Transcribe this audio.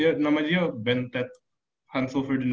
iya namanya dia ben tet hansel ferdinand